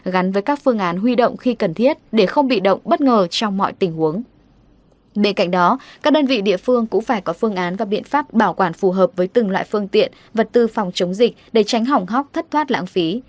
bên cạnh đó các đơn vị địa phương cũng phải có phương án và biện pháp bảo quản phù hợp với từng loại phương tiện vật tư phòng chống dịch để tránh hỏng hóc thất thoát lãng phí